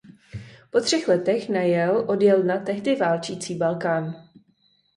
Po třech letech na Yale odjel na tehdy válčící Balkán.